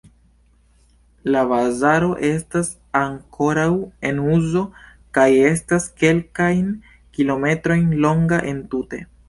La bazaro estas ankoraŭ en uzo kaj estas kelkajn kilometrojn longa entute.